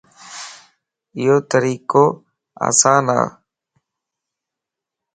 ايو طريقو آسان ا